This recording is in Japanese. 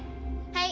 はい。